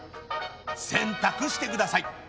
選択してください。